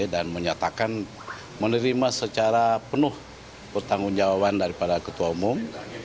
menyatakan menerima secara penuh pertanggung jawaban daripada ketua umum